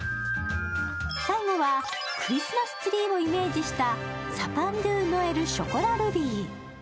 最後はクリスマスツリーをイメージしたサパンドゥノエル・ショコラルビー。